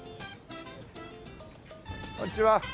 こんにちは。